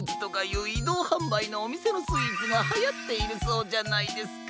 いどうはんばいのおみせのスイーツがはやっているそうじゃないですか。